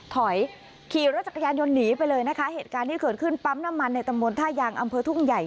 ถอยขี่รถจักรยานยนต์หนีไปเลยนะคะเหตุการณ์ที่เกิดขึ้นปั๊มน้ำมันในตำบลท่ายางอำเภอทุ่งใหญ่